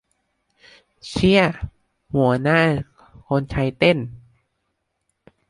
เชี้ย หัวหน้าคนใช้เต้น